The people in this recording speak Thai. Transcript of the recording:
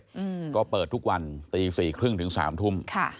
อืมก็เปิดทุกวันตีสี่ครึ่งถึงสามทุ่มค่ะ